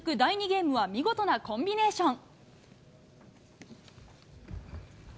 ゲームは、見事なコンビネーション。